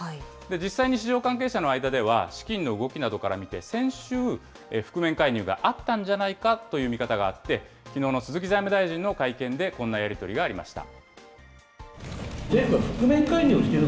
実際に市場関係者の間では、資金の動きなどから見て、先週、覆面介入があったんじゃないかという見方があって、きのうの鈴木財務大臣の会見でこんなやり取りがありました。